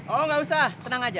oh gak usah tenang aja